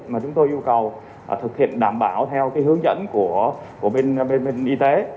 mà chúng tôi yêu cầu thực hiện đảm bảo theo cái hướng dẫn của bên y tế